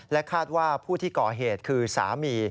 คาดว่าผู้ที่ก่อเหตุคือสามี